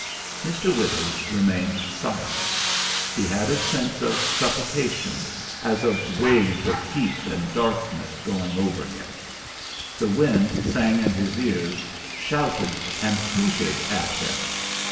Mr. Withers remained silent. He had a sense of suffocation, as of waves of heat and darkness going over him. The wind sang in his ears, shouted and hooted at him.